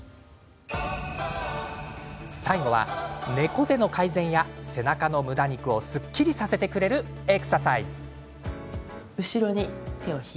最後は、猫背の改善や背中のむだ肉をすっきりさせてくれるエクササイズ。